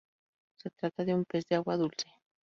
Se trata de un pez de agua dulce.